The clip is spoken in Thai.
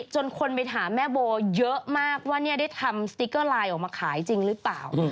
จนคนไปถามแม่โบเยอะมากว่าได้ทำสติ๊กเกอร์ไลน์ออกมาขายจริงหรือเปล่า